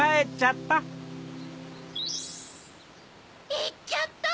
いっちゃった。